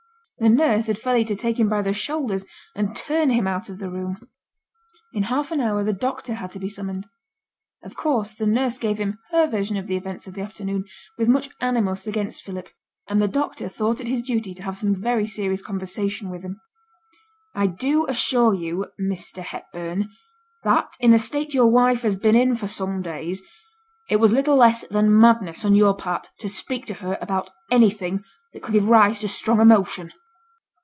The nurse had fairly to take him by the shoulders, and turn him out of the room. In half an hour the doctor had to be summoned. Of course, the nurse gave him her version of the events of the afternoon, with much animus against Philip; and the doctor thought it his duty to have some very serious conversation with him. 'I do assure you, Mr. Hepburn, that, in the state your wife has been in for some days, it was little less than madness on your part to speak to her about anything that could give rise to strong emotion.'